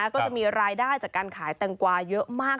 ก็จะมีรายได้จากการขายแตงกวาเยอะมาก